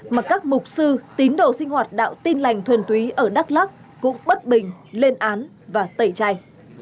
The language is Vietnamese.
mà các mục sư tín đồ sinh hoạt đạo tin lành thuần túy ở đắk lắc cũng bất bình lên án và tẩy chay